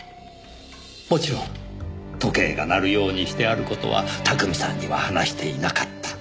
もちろん時計が鳴るようにしてある事は巧さんには話していなかった。